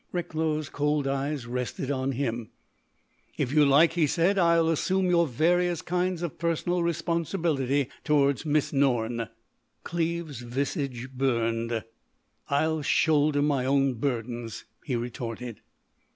Recklow's cold eyes rested on him: "If you like," he said, "I'll assume your various kinds of personal responsibility toward Miss Norne." Cleve's visage burned. "I'll shoulder my own burdens," he retorted.